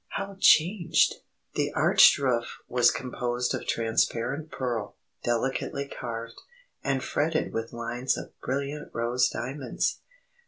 How changed! The arched roof was composed of transparent pearl, delicately carved, and fretted with lines of brilliant rose diamonds.